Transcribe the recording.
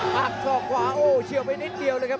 หักศอกขวาโอ้เฉียวไปนิดเดียวเลยครับ